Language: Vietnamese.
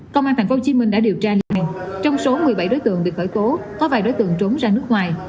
công an tp hcm đã điều tra làng trong số một mươi bảy đối tượng bị khởi tố có vài đối tượng trốn ra nước ngoài